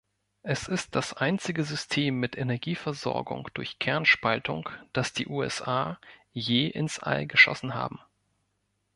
Es ist das einzige System mit Energieversorgung durch Kernspaltung, das die USA je ins All geschossen haben.